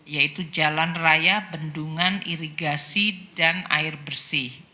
yaitu jalan raya bendungan irigasi dan air bersih